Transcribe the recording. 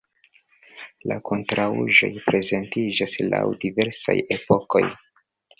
La konstruaĵoj prezentiĝas laŭ diversaj epokoj.